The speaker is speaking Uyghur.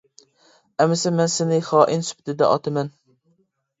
ئەمىسە مەن سېنى خائىن سۈپىتىدە ئاتىمەن!